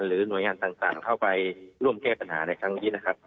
หน่วยงานต่างเข้าไปร่วมแก้ปัญหาในครั้งนี้นะครับ